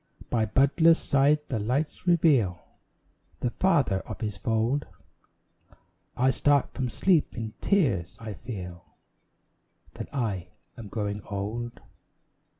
By Butler's side the lights reveal The father of his fold, I start from sleep in tears, and feel That I am growing old.